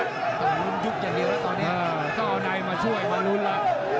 ต้องเอาในมาช่วยมาลุ้นละ